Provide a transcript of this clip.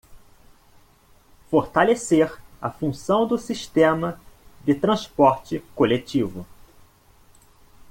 Fortalecer a função do sistema de transporte coletivo